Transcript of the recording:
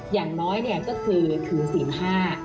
อย่างน้อยก็คือถือสินห้า